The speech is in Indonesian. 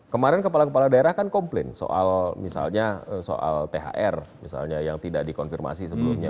kemarin kepala kepala daerah kan komplain soal thr yang tidak dikonfirmasi sebelumnya